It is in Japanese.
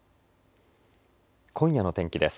今夜の天気です。